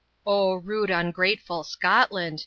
rude ungrateful Scotland!